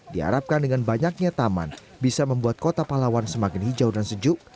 diharapkan dengan banyaknya taman bisa membuat kota palawan semakin hijau dan sejuk